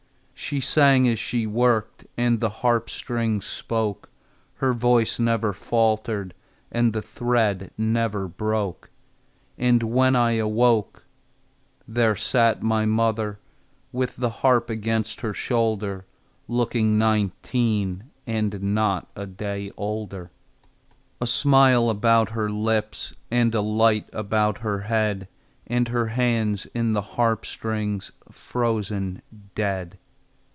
She sang as she worked, And the harp strings spoke; Her voice never faltered, And the thread never broke. And when I awoke,– There sat my mother With the harp against her shoulder Looking nineteen And not a day older, A smile about her lips, And a light about her head, And her hands in the harp strings Frozen dead.